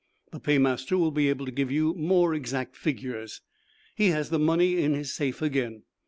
The paymaster will be able to give you more exact figures. He has the money in his safe again.